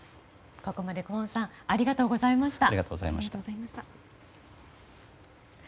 ここまで、クォンさんありがとうございました。